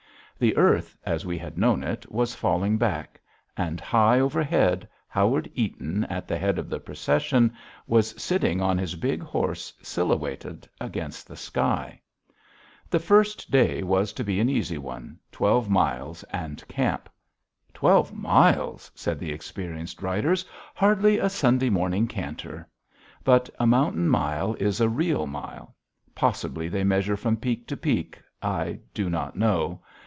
The earth, as we had known it, was falling back. And, high overhead, Howard Eaton, at the head of the procession, was sitting on his big horse silhouetted against the sky. [Illustration: EATON PARTY CLIMBING TO PIEGAN PASS Copyright, A. J. Baker] The first day was to be an easy one twelve miles and camp. "Twelve miles!" said the experienced riders. "Hardly a Sunday morning canter!" But a mountain mile is a real mile. Possibly they measure from peak to peak. I do not know.